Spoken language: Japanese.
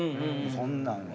そんなんは。